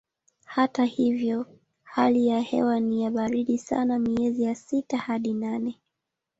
Hata hivyo hali ya hewa ni ya baridi sana miezi ya sita hadi nane.